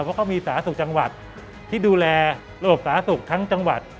เพราะเขาก็มีสาสุขจังหวัดที่ดูแลโลคสาสุขทั้งจังหวัด